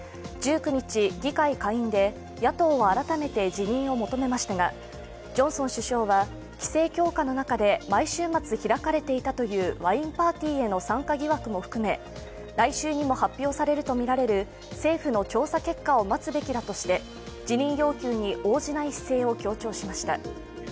１９日、議会下院で野党は改めて辞任を求めましたが、ジョンソン首相は、規制強化の中で毎週末、開かれていたというワインパーティーへの参加疑惑も含め来週にも発表されるとみられる政府の調査結果を待つべきだとして辞任要求に応じない姿勢を強調しました。